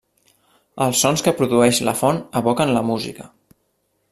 Els sons que produeix la font evoquen la música.